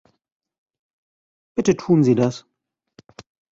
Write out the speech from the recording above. Bitte tun Sie das.